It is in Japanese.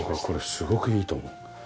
これすごくいいと思う。